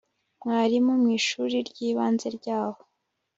mwarimu mwishuri ryibanze ryaho